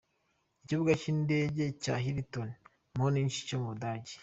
Ikibuga cy’indege cya Hilton Munich cyo mu Budage.